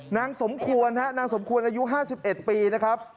นางสมควรฮะนางสมควรอายุ๕๑ปีนะครับ